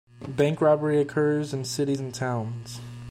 Bank robbery occurs in cities and towns.